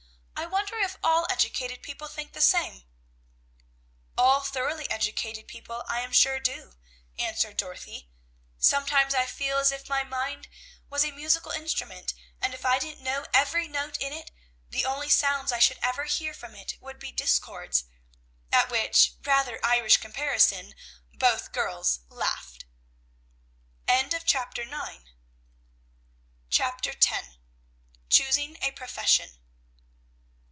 I wonder if all educated people think the same?" "All thoroughly educated people I am sure do," answered Dorothy. "Sometimes I feel as if my mind was a musical instrument; and if I didn't know every note in it, the only sounds I should ever hear from it would be discords," at which rather Irish comparison, both girls laughed. CHAPTER X. CHOOSING A PROFESSION.